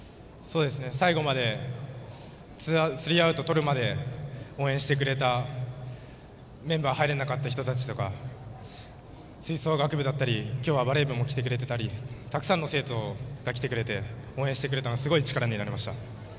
最後までスリーアウトとるまで応援してくれたメンバーに入れなかった人たちとか吹奏楽部だったり今日はバレー部も来てくれてたくさんの生徒が来てくれて応援してくれてすごい力になりました。